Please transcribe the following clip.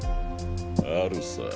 あるさ。